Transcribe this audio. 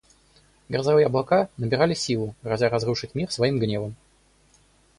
Грозовые облака набирали силу, грозя разрушить мир своим гневом.